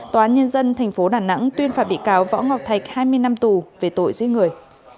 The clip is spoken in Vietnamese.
tòa án nhân dân tp đà nẵng tuyên phạt bị cáo võ ngọc thạch hai mươi năm tù về tội giết người